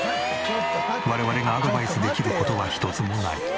我々がアドバイスできる事は一つもない。